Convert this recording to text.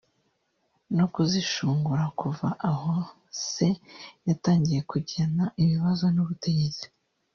no kuzishungura kuva aho se yatangiye kugirana ibibazon’ubutegetsi